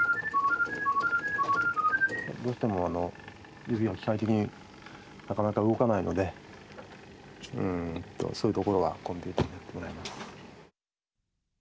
どうしてもあの指が機械的になかなか動かないのでうんとそういうところはコンピューターにやってもらいます。